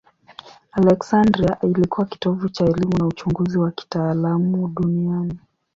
Aleksandria ilikuwa kitovu cha elimu na uchunguzi wa kitaalamu duniani.